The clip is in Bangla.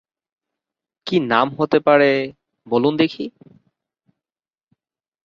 কী নাম হতে পারে বলুন দেখি?